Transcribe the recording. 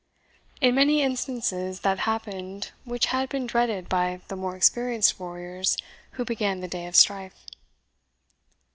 In many instances that happened which had been dreaded by the more experienced warriors who began the day of strife.